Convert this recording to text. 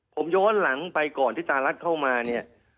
ผมย้อนหลังไปก่อนที่ตารัฐเข้ามาเนี่ย